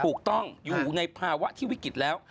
ถูกต้องอยู่ในภาวะที่วิกฤตแล้ว